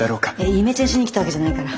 イメチェンしに来たわけじゃないから。